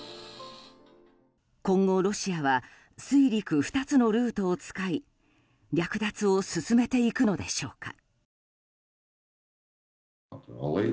今後、ロシアは水陸２つのルートを使い略奪を進めていくのでしょうか。